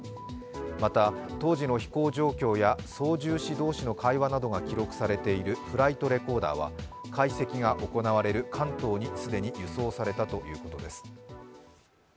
また、当時の飛行状況や操縦士同士の会話などが記録されているフライトレコーダーは解析が行われる関東に既に輸送されたということです。